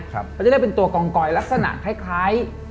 เขาจะได้เป็นตัวกองกอยลักษณะคล้าย